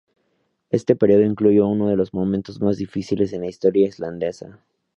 Este período incluyó uno de los momentos más difíciles en la historia islandesa.